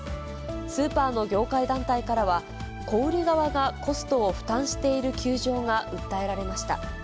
スーパーの業界団体からは、小売り側がコストを負担している窮状が訴えられました。